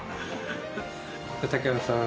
竹花さん